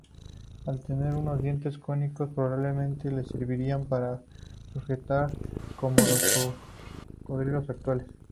Al tener unos dientes cónicos probablemente le servirían para sujetar como los cocodrilos actuales.